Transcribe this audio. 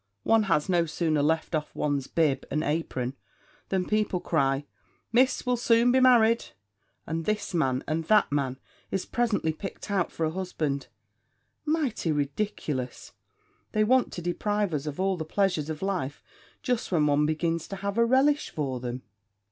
One has no sooner left off one's bib and apron, than people cry "Miss will soon be married!" and this man, and that man, is presently picked out for a husband. Mighty ridiculous! they want to deprive us of all the pleasures of life, just when one begins to have a relish for them.'